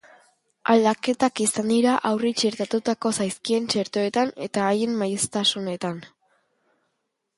Aldaketak izan dira haurrei txertatuko zaizkien txertoetan eta haien maiztasunetan.